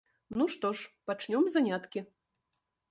Ну што ж пачнём заняткі.